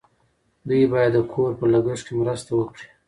دوی باید د کور په لګښت کې مرسته وکړي.